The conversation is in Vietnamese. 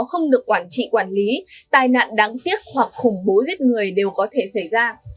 không được quản trị quản lý tai nạn đáng tiếc hoặc khủng bố giết người đều có thể xảy ra